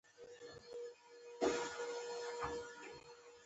مسئول مینه پال ته څو پلا خبره کړې وه.